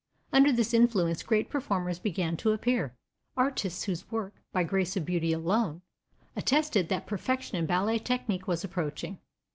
Under this influence great performers began to appear, artists whose work, by grace of beauty alone, attested that perfection in ballet technique was approaching.